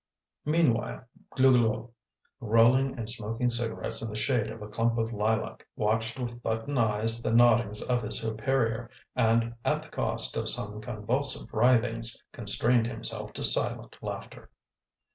Meanwhile Glouglou, rolling and smoking cigarettes in the shade of a clump of lilac, watched with button eyes the noddings of his superior, and, at the cost of some convulsive writhings, constrained himself to silent laughter.